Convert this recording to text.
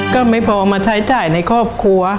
ก็ไม่พอมาใช้จ่ายในครอบครัว